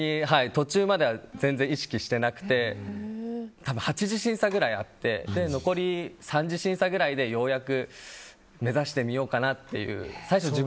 途中までは全然意識してなくて８次審査くらいあって残り３次審査くらいでようやく目指してみようかなという。